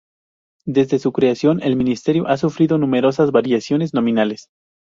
Desde su creación el ministerio ha sufrido numerosas variaciones nominales.